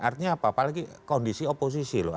artinya apa apalagi kondisi oposisi loh